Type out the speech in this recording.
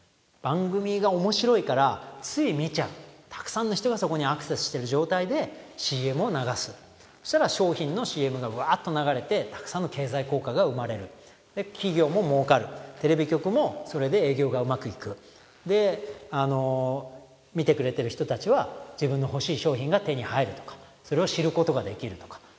番組が面白いからつい見ちゃうたくさんの人がそこにアクセスしてる状態でＣＭを流すそしたら商品のＣＭがワーッと流れてたくさんの経済効果が生まれるで企業も儲かるテレビ局もそれで営業がうまくいくで見てくれてる人達は自分の欲しい商品が手に入るとかそれを知ることができるとか